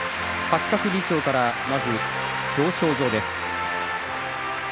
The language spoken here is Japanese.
八角理事長からまず表彰状です。